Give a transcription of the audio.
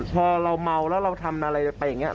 พอเราเมาแล้วเราทำอะไรไปอย่างนี้